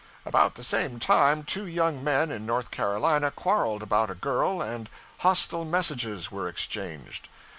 About the same time, two young men in North Carolina quarreled about a girl, and 'hostile messages' were exchanged.